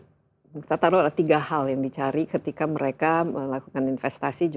kita taruh ada tiga hal yang dicari ketika mereka melakukan investasi